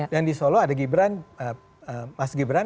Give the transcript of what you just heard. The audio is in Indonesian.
yang di solo ada gibran mas gibran